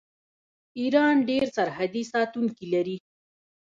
ایران ډیر سرحدي ساتونکي لري.